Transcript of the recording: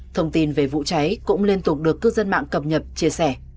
thông tin về vụ cháy cũng liên tục được cư dân mạng cập nhập chia sẻ